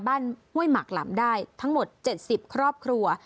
บ้านห้วยหมักหล่ำได้ทั้งหมดเจ็ดสิบครอบครัว